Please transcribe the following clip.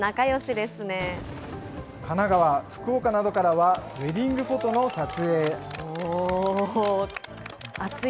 神奈川、福岡などからはウエディングフォトの撮影。